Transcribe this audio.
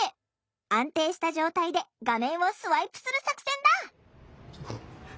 安定した状態で画面をスワイプする作戦だ！